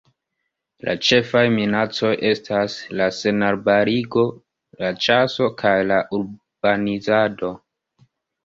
La ĉefaj minacoj estas la senarbarigo, la ĉaso kaj la urbanizado.